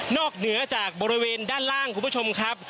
เหนือจากบริเวณด้านล่างคุณผู้ชมครับ